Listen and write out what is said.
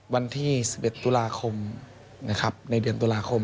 วันที่๑๑ธุระคม